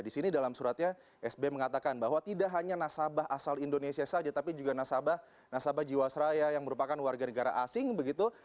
di sini dalam suratnya sbi mengatakan bahwa tidak hanya nasabah asal indonesia saja tapi juga nasabah jiwasraya yang merupakan warga negara asing begitu